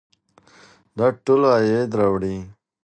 دا ټول عاید راوړي.